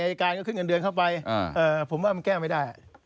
อายการก็ขึ้นเงินเดือนเข้าไปผมว่ามันแก้ไม่ได้